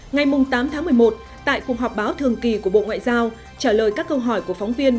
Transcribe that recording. ngày tám tháng một mươi một tại cuộc họp báo thường kỳ của bộ ngoại giao trả lời các câu hỏi của phóng viên